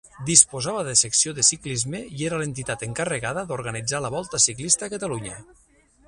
Disposava de secció de ciclisme i era l'entitat encarregada d'organitzar la Volta Ciclista a Catalunya.